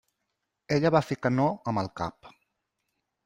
Ella va fer que no amb el cap.